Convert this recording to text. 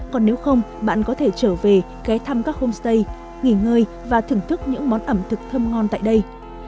còn nếu không bạn có thể trở về ghé thăm các homestay nghỉ ngơi và thưởng thức những món ẩm thực thơm ngon tại đây